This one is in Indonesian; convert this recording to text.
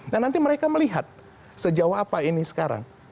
nah nanti mereka melihat sejauh apa ini sekarang